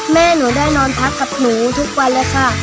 แม่หนูได้นอนพักกับหนูทุกวันแล้วค่ะ